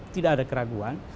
tidak ada keraguan